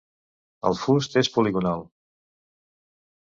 El fust és poligonal.